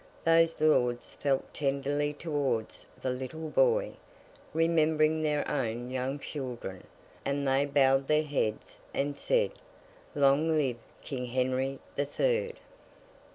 Those Lords felt tenderly towards the little boy, remembering their own young children; and they bowed their heads, and said, 'Long live King Henry the Third!